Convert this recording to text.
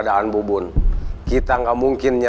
kalau lo maksud sampe pengulung kocoknya